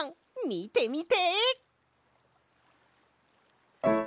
みてみて！